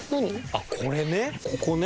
あっこれねここね。